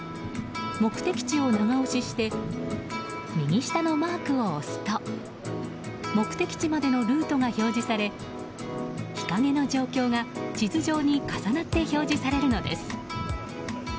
目的地を長押しして右下のマークを押すと目的地までのルートが表示され日陰の状況が地図上に重なって表示されるのです。